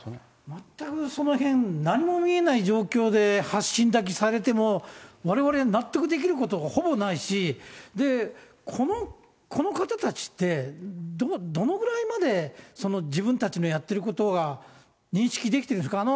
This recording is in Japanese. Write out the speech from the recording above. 全くそのへん、なんも見えない状況で発信だけされても、われわれ納得できることがほぼないし、この方たちって、どのぐらいまで自分たちのやってることが認識できてるんですか。